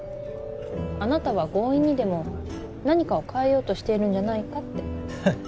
あなたは強引にでも何かを変えようとしているんじゃないかってはっ